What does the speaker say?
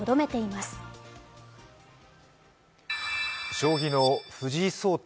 将棋の藤井聡太